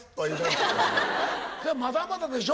じゃあまだまだでしょ？